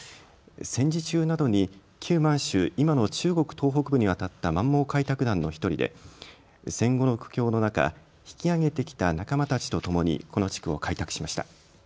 戦時中などに旧満州、今の中国東北部に渡った満蒙開拓団の１人で戦後の苦境の中、引き揚げてきた仲間たちとともにこの地区を開拓しました。